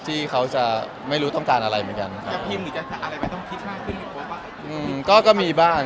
ที่เค้าจะไม่รู้ต้องการอะไรเหมือนกัน